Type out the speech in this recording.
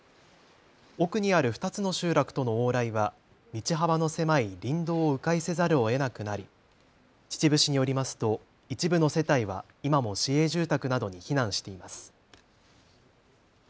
奥にある２つの集落との往来は道幅の狭い林道をう回せざるをえなくなり秩父市によりますと一部の世帯は今も市営住宅などに避難しています。